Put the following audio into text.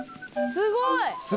すごい！